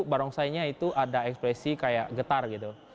barongsainya itu ada ekspresi kayak getar gitu